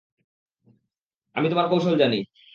আমি তোমার কৌশল জানি।